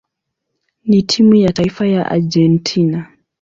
na timu ya taifa ya Argentina.